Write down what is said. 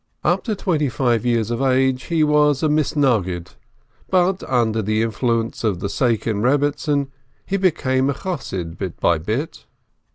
Up to twenty five years of age he was a Misnaggid, but under the influence of the Saken Rebbetzin, he became a Chos sid, bit by bit.